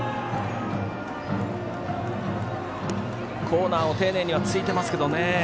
コーナーを丁寧にはついていますけどね。